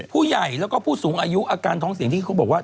ผู้ใหญ่แล้วก็ผู้สูงอายุอาการท้องเสียงที่เขาบอกว่า